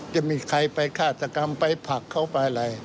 จะมีใครไปฆาตกรรมไปผลักเขาไปอะไร